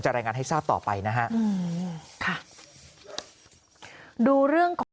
จะรายงานให้ทราบต่อไปนะครับ